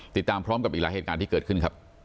ติดตามพร้อมกับอีกหลายเหตุการณ์ที่เกิดขึ้นครับ